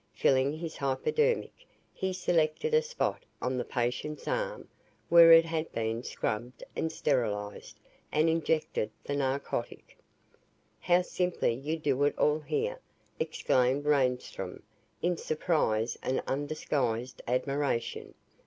Filling his hypodermic, he selected a spot on the patient's arm, where it had been scrubbed and sterilized, and injected the narcotic. "How simply you do it all, here!" exclaimed Reinstrom in surprise and undisguised admiration.